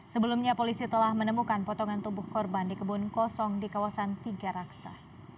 sebelumnya polisi telah menemukan potongan tubuh korban di kebun kosong di kawasan tiga raksa